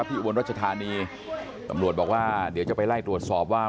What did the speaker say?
อุบลรัชธานีตำรวจบอกว่าเดี๋ยวจะไปไล่ตรวจสอบว่า